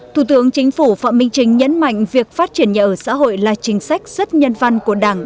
thủ tướng chính phủ phạm minh chính nhấn mạnh việc phát triển nhà ở xã hội là chính sách rất nhân văn của đảng